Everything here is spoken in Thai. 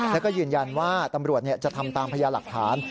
แล้วก็ยืนยันว่าตำรวจจะทำตามพยาหลักฐาน